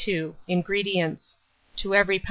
INGREDIENTS. To every lb.